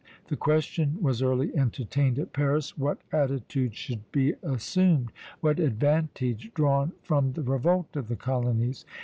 The question was early entertained at Paris what attitude should be assumed, what advantage drawn from the revolt of the colonies.